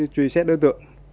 truy xét đối tượng